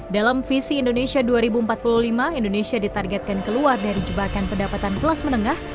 dalam visi indonesia dua ribu empat puluh lima indonesia ditargetkan keluar dari jebakan pendapatan kelas menengah